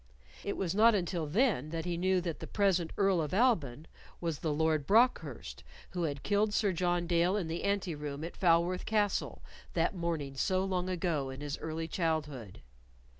It was not until then that he knew that the present Earl of Alban was the Lord Brookhurst, who had killed Sir John Dale in the anteroom at Falworth Castle that morning so long ago in his early childhood.